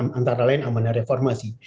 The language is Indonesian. jadi antara lain apa mana reformasi